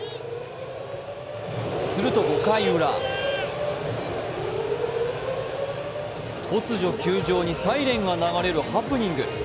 すると５回ウラ突如球場にサイレンが流れるハプニング。